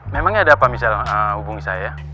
memang ada apa michelle hubungi saya